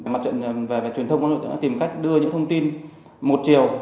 mặt trận về truyền thông của nội tướng đã tìm cách đưa những thông tin một triều